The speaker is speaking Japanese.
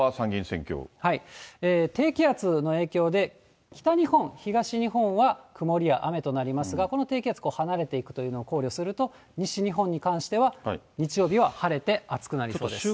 低気圧の影響で、北日本、東日本は曇りや雨となりますが、この低気圧、離れていくというのを考慮すると、西日本に関しては、日曜日は晴れて暑くなりそうです。